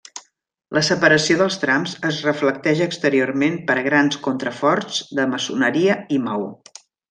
La separació dels trams es reflecteix exteriorment per grans contraforts de maçoneria i maó.